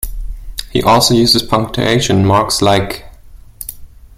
He also uses punctuation marks like !